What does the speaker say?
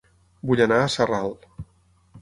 Vull anar a Sarral